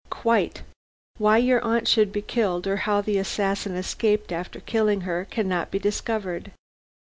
"Quite. Why your aunt should be killed, or how the assassin escaped, after killing her, cannot be discovered.